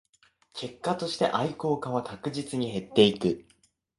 結果として愛好家は確実に減っていく